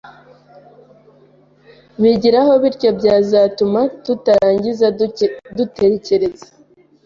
bigiraho bityo byazatuma tutarangiza dutekereza